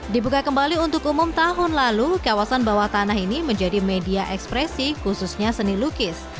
dibuka kembali untuk umum tahun lalu kawasan bawah tanah ini menjadi media ekspresi khususnya seni lukis